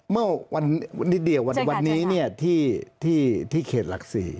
ก็วันนิดหน่อยวันนี้ที่เขตหลัก๔